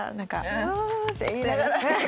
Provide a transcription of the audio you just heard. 「フゥー！」って言いながら。